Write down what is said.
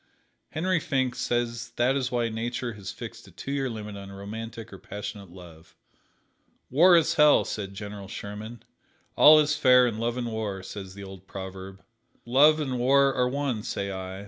Henry Finck says that is why Nature has fixed a two year limit on romantic or passionate love. "War is hell," said General Sherman. "All is fair in Love and War," says the old proverb. Love and War are one, say I.